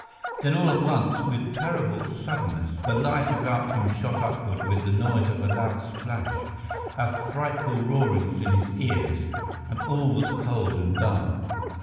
Then all at once, with terrible suddenness, the light about him shot upward with the noise of a loud splash; a frightful roaring was in his ears, and all was cold and dark.